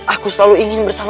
aku selalu ingin bersama